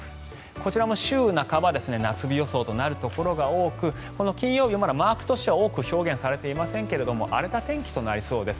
こちらも週半ば夏日予想となるところが多く金曜日、マークとしては多く表現されていませんが荒れた天気となりそうです。